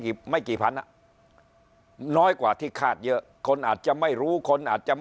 ไม่กี่พันอ่ะน้อยกว่าที่คาดเยอะคนอาจจะไม่รู้คนอาจจะ